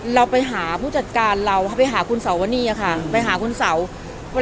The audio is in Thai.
เราไปหาผู้จัดการเราไปหาคุณเสานี่ค่ะไปหาคุณเสา